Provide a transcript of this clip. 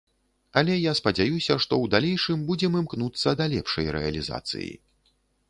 Але я спадзяюся, што ў далейшым будзем імкнуцца да лепшай рэалізацыі.